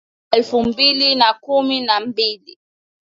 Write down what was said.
hadi mwaka elfu mbili na kumi na mbili